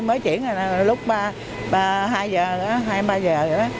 mới chuyển là lúc hai giờ hai ba giờ